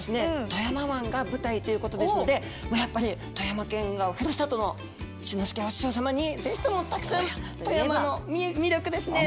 富山湾が舞台ということですのでもうやっぱり富山県がふるさとの志の輔お師匠様にぜひともたくさん富山の魅力ですね。